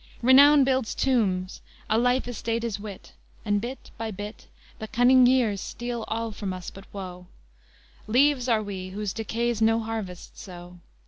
Renown builds tombs; a life estate is Wit; And, bit by bit, The cunning years steal all from us but woe; Leaves are we, whose decays no harvest sow.